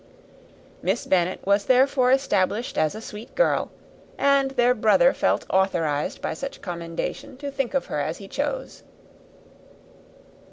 Miss Bennet was therefore established as a sweet girl; and their brother felt authorized by such commendation to think of her as he chose.